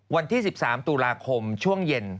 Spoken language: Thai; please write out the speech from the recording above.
วันที่๑๓ตุลาคมช่วงเย็น